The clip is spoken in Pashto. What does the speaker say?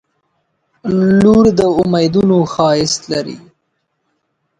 • لور د امیدونو ښایست لري.